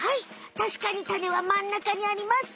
たしかにタネはまんなかにあります！